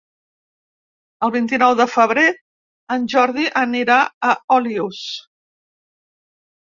El vint-i-nou de febrer en Jordi anirà a Olius.